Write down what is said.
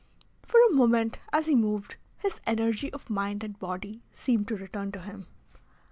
For a moment as he moved, his energy of mind and body seemed to return to him.